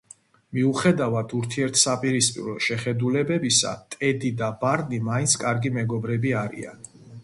მიუხედავად ურთიერთსაპირისპირო შეხედულებებისა, ტედი და ბარნი მაინც კარგი მეგობრები არიან.